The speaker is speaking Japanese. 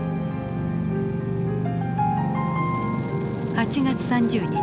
８月３０日。